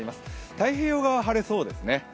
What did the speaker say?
太平洋側は晴れそうですね。